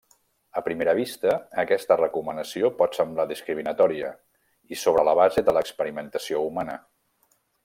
A primera vista, aquesta recomanació pot semblar discriminatòria i sobre la base de l'experimentació humana.